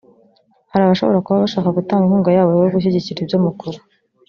Hari abashobora kuba bashaka gutanga inkunga yabo yo gushyigikira ibyo mukora